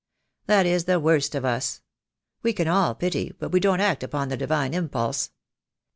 That is the worst of us. We can all pity, but we don't act upon the divine impulse.